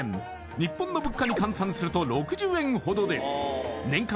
日本の物価に換算すると６０円ほどで年間